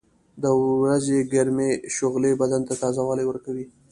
• د ورځې ګرمې شغلې بدن ته تازهوالی ورکوي.